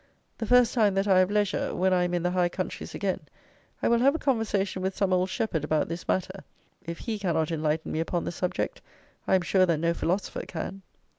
The first time that I have leisure, when I am in the high countries again, I will have a conversation with some old shepherd about this matter; if he cannot enlighten me upon the subject, I am sure that no philosopher can.